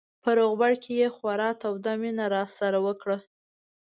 په روغبړ کې یې خورا توده مینه راسره وکړه.